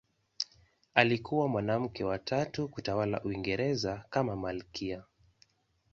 Alikuwa mwanamke wa tatu kutawala Uingereza kama malkia.